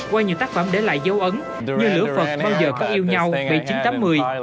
quay nhiều tác phẩm để lại dấu ấn như lửa phật bao giờ có yêu nhau vậy chín tám một mươi